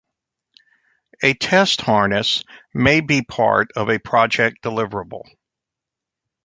A test harness may be part of a project deliverable.